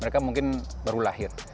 mereka mungkin baru lahir